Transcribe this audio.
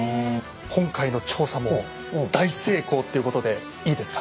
今回の調査も大成功っていうことでいいですか？